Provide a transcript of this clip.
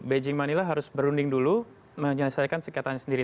beijing manila harus berunding dulu menyelesaikan sekitarnya sendiri